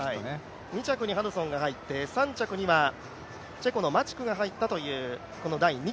２着にハドソンが入って３着にはチェコのマチクが入りました。